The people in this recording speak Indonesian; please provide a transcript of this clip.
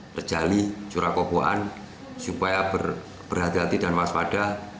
pejali cura kopoan supaya berhati hati dan waspada